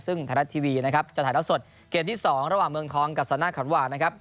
ซึ่งไทยรัฐทีวีจะถ่ายราวสดเกมที่๒ระหว่างเมืองคลองกับสนาขาวหวาน